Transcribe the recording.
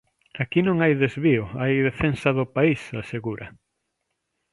"Aquí non hai desvío, hai defensa do país", asegura.